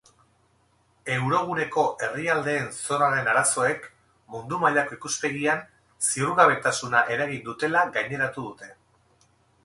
Euroguneko herrialdeen zorraren arazoek mundu mailako ikuspegian ziurgabetasuna eragin dutela gaineratu dute.